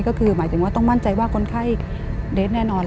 ก็คือหมายถึงว่าต้องมั่นใจว่าคนไข้เดทแน่นอน